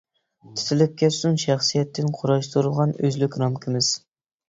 تىتىلىپ كەتسۇن شەخسىيەتتىن قۇراشتۇرۇلغان ئۆزلۈك رامكىمىز.